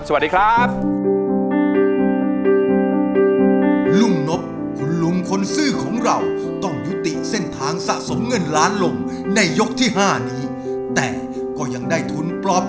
สวัสดีครับ